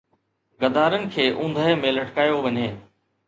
غدارن کي اوندهه ۾ لٽڪايو وڃي